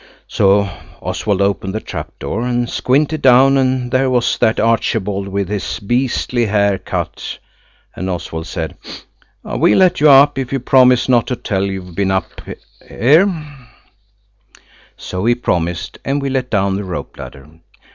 So Oswald opened the trap door and squinted down, and there was that Archibald with his beastly hair cut. Oswald said– "We'll let you up if you promise not to tell you've been up here." So he promised, and we let down the rope ladder.